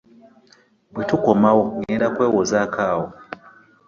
Bwe tukomawo ŋŋenda kwewozaako awo.